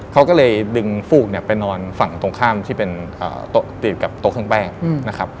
เขาก็เลยดึงฟูกเนี่ยไปนอนฝั่งตรงข้ามที่เป็นโต๊ะติดกับโต๊ะเครื่องแป้งนะครับ